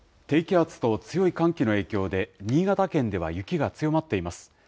低気圧と強い寒気の影響で、新潟県では雪が強まっています。